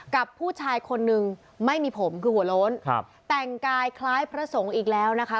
กับผู้ชายคนนึงไม่มีผมคือหัวโล้นครับแต่งกายคล้ายพระสงฆ์อีกแล้วนะคะ